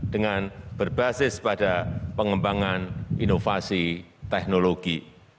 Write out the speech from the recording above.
dengan berbasis pada pengembangan inovasi teknologi